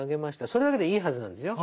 それだけでいいはずなんですよ。